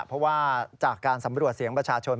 เพราะว่าจากการสำรวจเสียงประชาชน